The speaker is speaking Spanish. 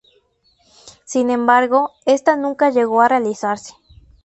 Sin embargo, está nunca llegó a realizarse.